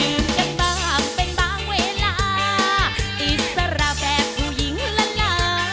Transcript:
กันบ้างเป็นบางเวลาอิสระแบบผู้หญิงละลา